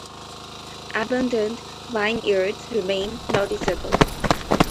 Abandoned vineyards remain noticeable.